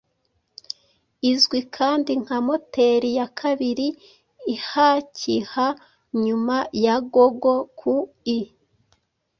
izwi kandi nka moteri ya kabiri ihakiha nyuma ya Gogo ku ii